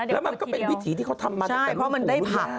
แล้วมันก็เป็นวิธีที่เขาทำมาจากกลุ่มกูเสีย